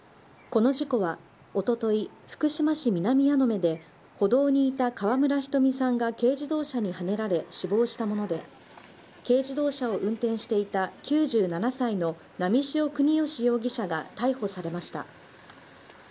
この事故は、おととい、福島市南矢野目で、歩道にいた川村ひとみさんが軽自動車にはねられ死亡したもので、軽自動車を運転していた９７歳の波汐國芳容疑者が逮捕されました。